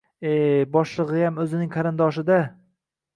E, boshlig`iyam o`ziningqarindoshi-da